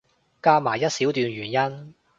加埋一小段原因